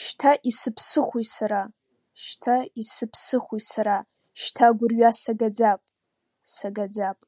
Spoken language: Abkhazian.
Шьҭа исыԥсыхәои сара, шьҭа исыԥсыхәои сара, шьҭа агәырҩа сагаӡап, сагаӡап.